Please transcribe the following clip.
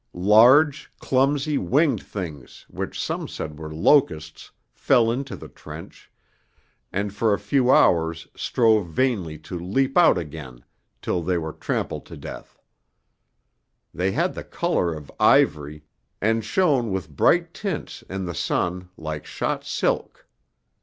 Large, clumsy, winged things, which some said were locusts, fell into the trench, and for a few hours strove vainly to leap out again till they were trampled to death; they had the colour of ivory, and shone with bright tints in the sun like shot silk.